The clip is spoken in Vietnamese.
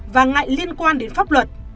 và ngại liên quan đến pháp luật